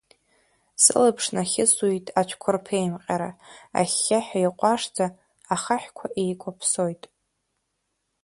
Сылаԥш нахьысуеит ацәқәырԥеимҟьара, ахьхьаҳәа, иҟәашӡа, ахаҳәқәа еикәаԥсоит.